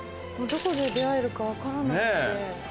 どこで出会えるか分からないので。